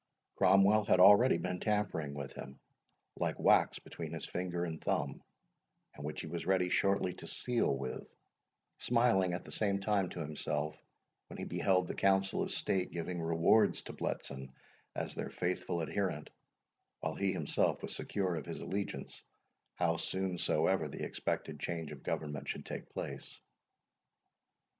Cromwell had already been tampering with him, like wax between his finger and thumb, and which he was ready shortly to seal with, smiling at the same time to himself when he beheld the Council of State giving rewards to Bletson, as their faithful adherent, while he himself was secure of his allegiance, how soon soever the expected change of government should take place.